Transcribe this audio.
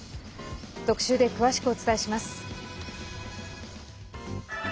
特集で詳しくお伝えします。